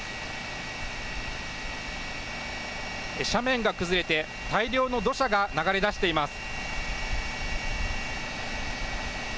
斜面が崩れて大量の土砂が流れ出しています。